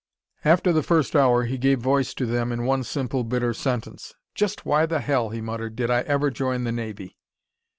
After the first hour he gave voice to them in one simple, bitter sentence. "Just why the hell," he muttered, "did I ever join the Navy?"